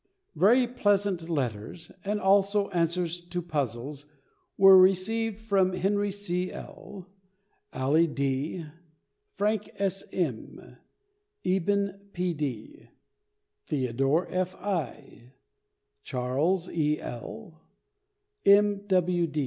Very pleasant letters, and also answers to puzzles, are received from Henry C. L., Allie D., Frank S. M., Eben P. D., Theodore F. I., Charles E. L., M.